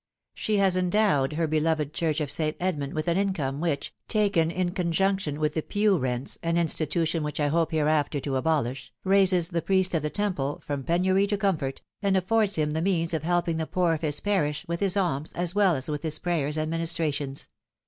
She has endowed her beloved Church of St. Edmund with an income which, taken in conjunction with the pew rents, an institution which I hope hereafter to abolish, raises the p/iest of the temple from penury to comfort, and affords him the means of helping the poor of his parish with his alms as well as with his prayers and ministrations.